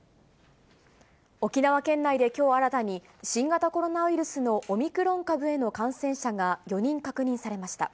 沖縄県内できょう新たに、新型コロナウイルスのオミクロン株への感染者が４人確認されました。